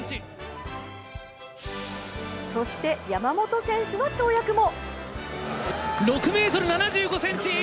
そして山本選手の跳躍も。